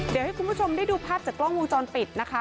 เดี๋ยวให้คุณผู้ชมได้ดูภาพจากกล้องวงจรปิดนะคะ